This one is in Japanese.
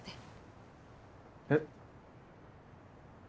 えっ？